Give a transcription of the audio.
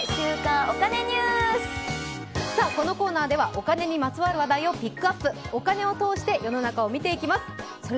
このコーナーではお金にまつわるニュースをピックアップ、お金を通して世の中を見ていきます。